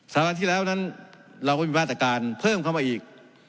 สถานที่แล้วนั้นเราก็มีบรรษการเพิ่มเข้ามาอีก